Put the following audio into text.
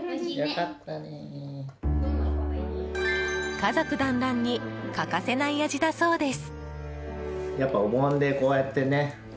家族だんらんに欠かせない味だそうです。